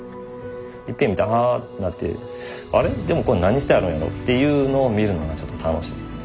いっぺん見て「ああ」ってなって「あれ？でもこれ何してはるんやろ」っていうのを見るのがちょっと楽しいんです。